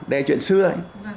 đây là chuyện xưa